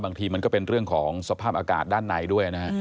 บางทีมันก็เป็นเรื่องของสภาพอากาศด้านในด้วยนะฮะ